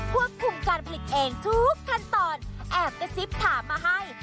ควบคุมการผลิตเองทุกขั้นตอนแอบกระซิบถามมาให้